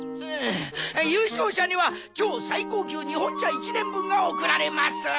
優勝者には超最高級日本茶１年分が贈られます。